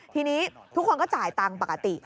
ทีนี้ทุกคนก็จ่ายตังค์ปกติ